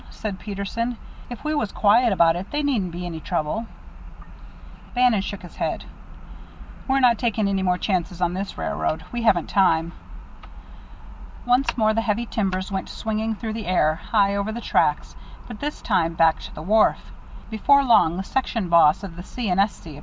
said Peterson. "If we was quiet about it, they needn't be any trouble?" Bannon shook his head. "We're not taking any more chances on this railroad. We haven't time." Once more the heavy timbers went swinging through the air, high over the tracks, but this time back to the wharf. Before long the section boss of the C. & S. C.